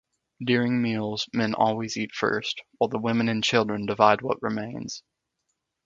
During meals, men always eat first, while the women and children divide what remains.